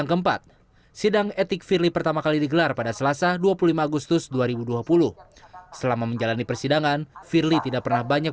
oke nanti kita akan tanya kepada mas febri diansyah